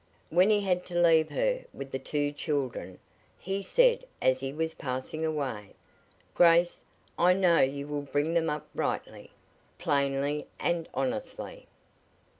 When he had to leave her, with the two children, he said as he was passing away: "Grace, I know you will bring them up rightly plainly and honestly."